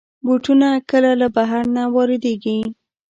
بوټونه کله له بهر نه واردېږي.